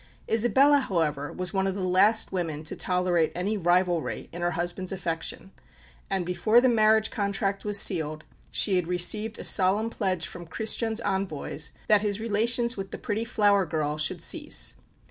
Isabella, however, was one of the last women to tolerate any rivalry in her husband's affection, and before the marriage contract was sealed, she had received a solemn pledge from Christian's envoys that his relations with the pretty flower girl should cease.